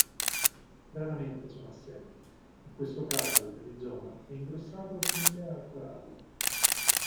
Raramente sono assenti, in questo caso il rizoma è ingrossato simile al corallo.